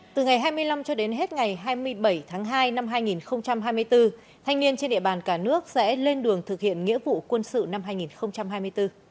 từ ngày hai mươi năm cho đến hết ngày hai mươi bảy tháng hai năm hai nghìn hai mươi bốn thanh niên trên địa bàn cả nước sẽ lên đường thực hiện nghĩa vụ quân sự năm hai nghìn hai mươi bốn